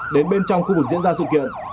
đến bên trong khu vực diễn ra sự kiện